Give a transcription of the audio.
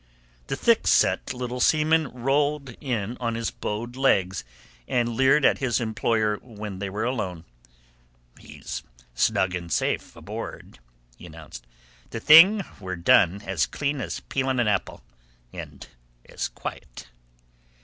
The thick set little seaman rolled in on his bowed legs, and leered at his employer when they were alone. "He's snug and safe aboard," he announced. "The thing were done as clean as peeling an apple, and as quiet."